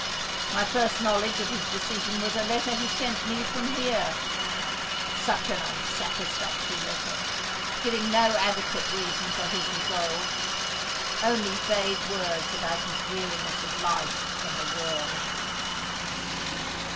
My first knowledge of his decision was a letter he sent me from here. Such an unsatisfactory letter, giving no adequate reason for his resolve, only vague words about his weariness of life and the world."